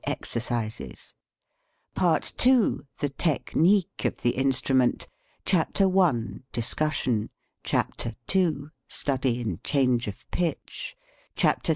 EXERCISES PART II THE TECHNIQUE OF THE INSTRUMENT CHAPTER I. DISCUSSION CHAPTER II. STUDY IN CHANGE OF PITCH CHAPTER III.